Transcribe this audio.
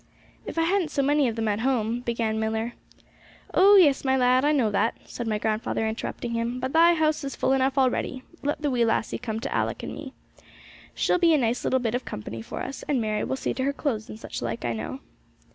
'If I hadn't so many of them at home 'began Millar. 'Oh yes, my lad, I know that,' said my grandfather, interrupting him; 'but thy house is full enough already. Let the wee lassie come to Alick and me. She'll be a nice little bit of company for us; and Mary will see to her clothes and such like, I know.'